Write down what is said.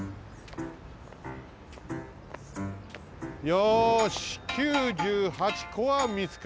よし９８こはみつかった。